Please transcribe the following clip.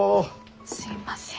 すいません。